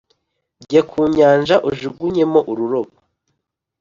jya ku nyanja ujugunyemo ururobo